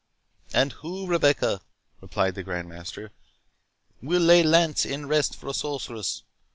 "And who, Rebecca," replied the Grand Master, "will lay lance in rest for a sorceress?